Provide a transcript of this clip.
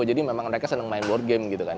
jadi memang mereka senang main board game gitu kan